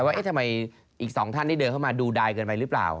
ว่าทำไมอีกสองท่านที่เดินเข้ามาดูดายเกินไปหรือเปล่า